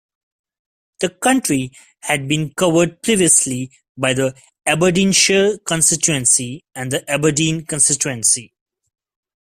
The county had been covered previously by the Aberdeenshire constituency and the Aberdeen constituency.